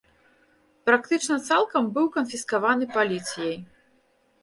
Практычна цалкам быў канфіскаваны паліцыяй.